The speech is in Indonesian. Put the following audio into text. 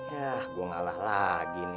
ya gue ngalah lagi nih